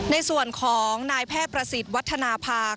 ในส่วนของนายแพทย์ประสิทธิ์วัฒนภา